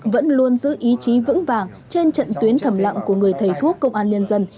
vẫn luôn giữ ý chí vững vàng trên trận tuyến thầm lặng của người thầy thuốc công an nhân dân